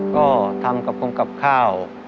ก็ทำกระปุ่มกับข้าว